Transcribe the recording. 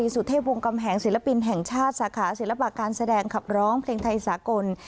สุเทพวงกำแหงศิลปินแห่งชาติสาขาศิลปะการแสดงขับร้องเพลงไทยสากล